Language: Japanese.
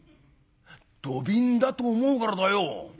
「土瓶だと思うからだよ。